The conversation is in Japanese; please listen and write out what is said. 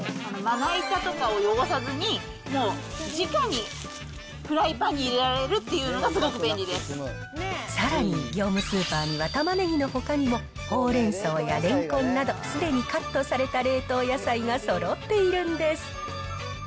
まな板とかを汚さず、もうじかにフライパンに入れられるっていうのが、すごく便利ですさらに、業務スーパーにはタマネギのほかにも、ホウレンソウやレンコンなど、すでにカットされた冷凍野菜がそろっているんです。